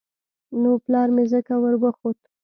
نو پلار مې څنگه وروخوت.